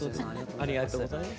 ありがとうございます。